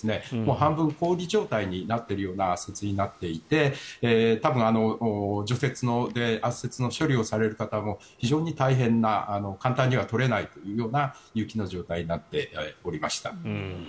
半分、氷状態になっているような圧雪になっていて除雪で圧雪の処理をされる方も非常に大変な簡単には取れないような雪の状態になっておりました。